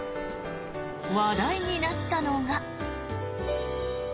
話題になったのが。